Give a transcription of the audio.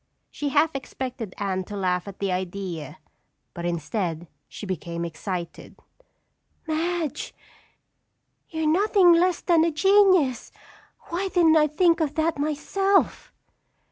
She half expected Anne to laugh at the idea, but instead, she became excited. "Madge, you're nothing less than a genius! Why didn't I think of that myself?"